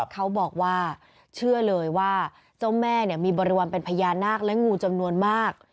เขาบอกว่าเชื่อเลยว่าเจ้าแม่มีบริวารเป็นพญานาคและงูจำนวนมาก